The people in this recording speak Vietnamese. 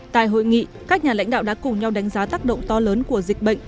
tại hội nghị các nhà lãnh đạo đã cùng nhau đánh giá tác động to lớn của dịch bệnh